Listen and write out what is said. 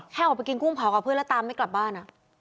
ให้ออกไปกินกุ้งเผากับเพื่อนแล้วตามไม่กลับบ้าน